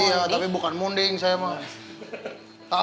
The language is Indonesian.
iya tapi bukan munding saya mas